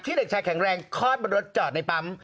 เด็กชายแข็งแรงคลอดบนรถจอดในปั๊ม